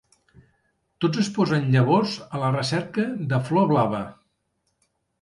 Tots es posen llavors a la recerca de Flor Blava.